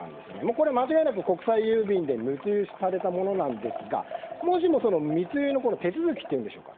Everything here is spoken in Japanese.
これは間違いなく国際郵便で密輸されたものなんですがもしも密輸の手続きというんでしょうか。